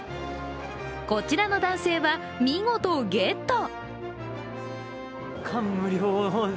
こちらの男性は、見事ゲット。